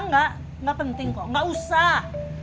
gak penting kok gak usah